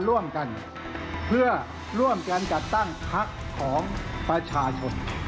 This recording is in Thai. ภักดิ์นี้เป็นภักดิ์ของประชาชน